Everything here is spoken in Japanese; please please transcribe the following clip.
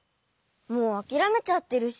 もうあきらめちゃってるし。